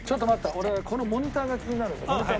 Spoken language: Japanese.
俺このモニターが気になるんでモニター